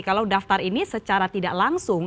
kalau daftar ini secara tidak langsung